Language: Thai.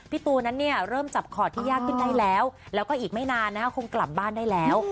ตัวนั้นเนี่ยเริ่มจับคอร์ดที่ยากขึ้นได้แล้วแล้วก็อีกไม่นานคงกลับบ้านได้แล้ว